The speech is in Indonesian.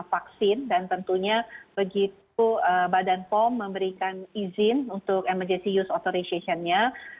vaksin dan tentunya begitu badan pom memberikan izin untuk emergency use authorization nya